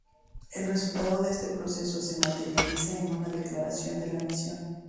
El resultado de este proceso se materializa en una declaración de la misión.